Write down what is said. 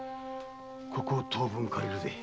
ここを当分借りるぜ。